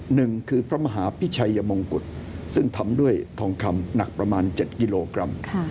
หนึ่งคือพระมหาพิชัยมงกุฎซึ่งทำด้วยทองคำหนักประมาณ๗กิโลกรัม